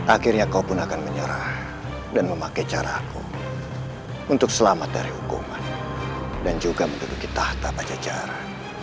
akhirnya kau pun akan menyerah dan memakai caraku untuk selamat dari hukuman dan juga menduduki tahta pajajaran